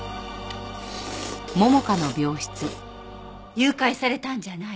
誘拐されたんじゃない？